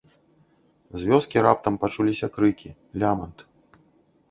З вёскі раптам пачуліся крыкі, лямант.